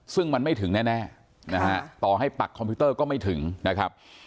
ซึ่งมันไม่ถึงแน่นะฮะต่อให้ปักคอมพิวเตอร์ก็ไม่ถึงนะครับ